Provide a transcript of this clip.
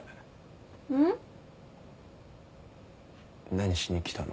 何しに来たの？